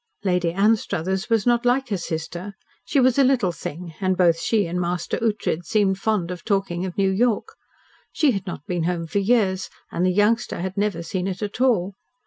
Lady Anstruthers was not like her sister. She was a little thing, and both she and Master Ughtred seemed fond of talking of New York. She had not been home for years, and the youngster had never seen it at all.